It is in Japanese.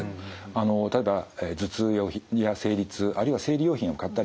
あの例えば頭痛や生理痛あるいは生理用品を買ったりする。